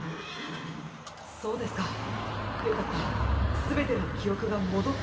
そうですかよかった全ての記憶が戻ったんですね。